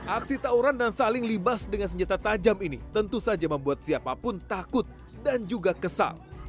aksi tawuran dan saling libas dengan senjata tajam ini tentu saja membuat siapapun takut dan juga kesal